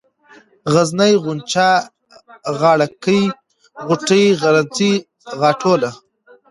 غرنۍ ، غونچه ، غاړه كۍ ، غوټۍ ، غرڅنۍ ، غاټوله